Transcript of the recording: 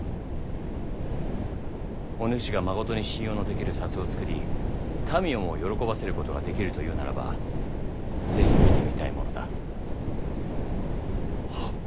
お主がまことに信用のできる札を作り民をも喜ばせることができるというならば是非見てみたいものだ。